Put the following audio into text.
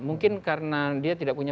mungkin karena dia tidak punya